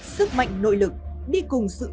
sức mạnh nội lực đi cùng sự ưu tiên